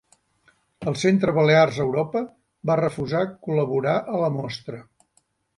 El Centre Balears Europa va refusar col·laborar a la mostra.